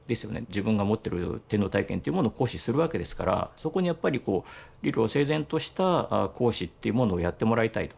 自分が持ってる天皇大権というものを行使するわけですからそこにやっぱり理路整然とした行使というものをやってもらいたいと。